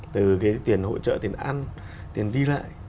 từ cái tiền hỗ trợ tiền ăn tiền đi lại